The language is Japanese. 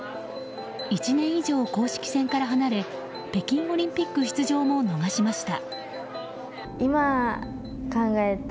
１年以上、公式戦から離れ北京オリンピック出場も逃しました。